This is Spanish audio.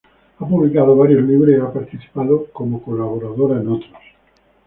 Ha publicado varios libros y ha participado como colaboradora en otros.